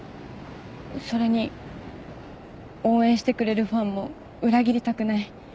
それに応援してくれるファンも裏切りたくない。